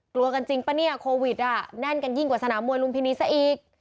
กลัวกันจริงป่ะเนี่ยโควิดอ่ะแน่นกันยิ่งกว่าสนามมวยลุมพินีซะอีก